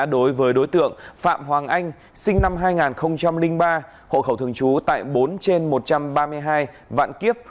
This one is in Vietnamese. đối với đối tượng phạm hoàng anh sinh năm hai nghìn ba hộ khẩu thường trú tại bốn trên một trăm ba mươi hai vạn kiếp